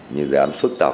những dự án phức tạp